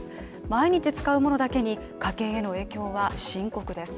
毎日、使うものだけに家計への影響は深刻です。